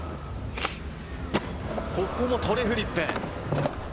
ここもトレフリップ。